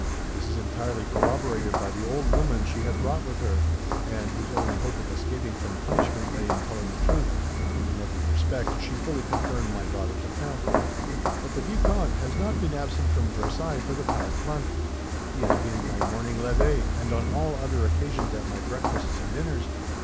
This is entirely corroborated by the old woman she had brought with her, and whose only hope of escaping from punishment lay in telling the truth. In every respect, she fully confirmed my daughter's account.' "'But the vicomte has not been absent from Versailles, for the past month. He has been at my morning levee, and on all other occasions at my breakfasts and dinners.